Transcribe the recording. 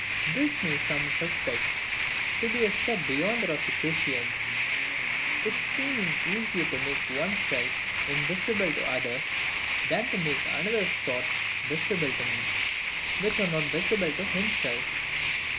This some may suspect to be a step beyond the Rosicrucians; it seeming easier to make one's self invisible to others, than to make another's thoughts visible to me, which are not visible to himself.